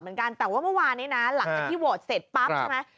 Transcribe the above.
เหมือนกันแต่ว่าเมื่อวานนี้นะหลังจากที่โหวตเสร็จปั๊บใช่ไหม